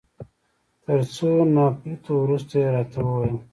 تر څو نا پړيتو وروسته يې راته وویل.